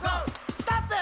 「ストップ！」